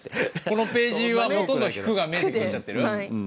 このページはほとんど「引く」が面積とっちゃってる？